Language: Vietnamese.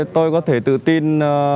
tôi có thể tự tin